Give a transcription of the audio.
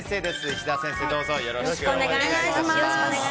石田先生、よろしくお願いします。